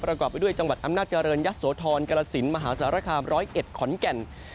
ประกอบไปด้วยจังหวัดอำนาจริงยะโสธรกรสินมหาสารคาม๑๐๑ขอนแก่น